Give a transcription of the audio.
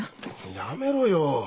やめろよ。